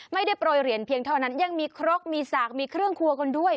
ไม่ได้โปรยเหรียญเพียงเท่านั้นยังมีครกมีสากมีเครื่องครัวกันด้วย